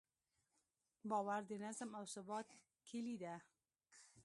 باور د نظم او ثبات کیلي ده.